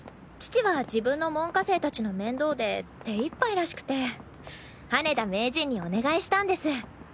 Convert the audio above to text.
父は自分の門下生達の面倒で手いっぱいらしくて羽田名人にお願いしたんです。